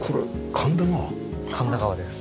神田川です。